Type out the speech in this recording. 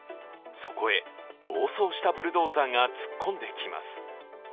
そこへ暴走したブルドーザーが突っ込んできます。